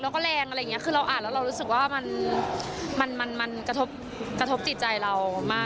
แล้วก็แรงอะไรอย่างนี้คือเราอ่านแล้วเรารู้สึกว่ามันมันกระทบจิตใจเรามาก